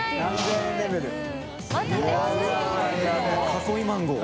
囲いマンゴー。